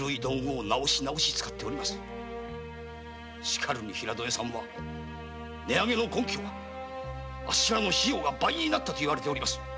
しかるに平戸屋さんは家賃値上げの根拠はあっしらの費用が倍になったと言っています。